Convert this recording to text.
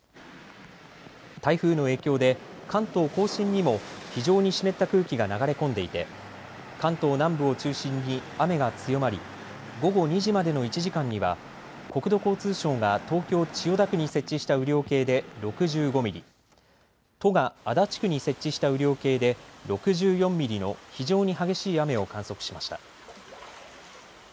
台風の影響で関東甲信にも非常に湿った空気が流れ込んでいて関東南部を中心に雨が強まり午後２時までの１時間には国土交通省が東京千代田区に設置した雨量計で６５ミリ、都が足立区に設置した雨量計で６４ミリの非常に激しい雨を観測しました。